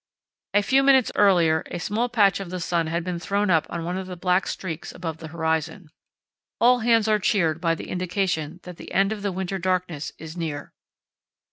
A few minutes earlier a small patch of the sun had been thrown up on one of the black streaks above the horizon. All hands are cheered by the indication that the end of the winter darkness is near....